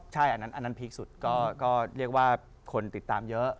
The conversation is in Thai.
ใช่อันนั้นพีคสุดก็เรียกว่าคนติดตามเยอะ